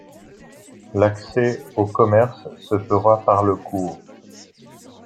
L'accès aux commerces se fera par le cours.